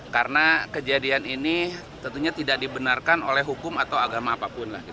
karena kejadian ini tentunya tidak dibenarkan oleh hukum atau agama apapun lah